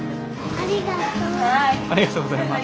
ありがとうございます。